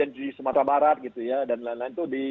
di sumatera barat dan lain lain